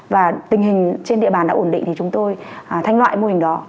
và tình hình trên địa bàn đã ổn định thì chúng tôi thanh loại mô hình đó